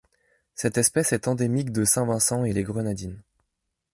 Cette espèce est endémique de Saint-Vincent-et-les-Grenadines.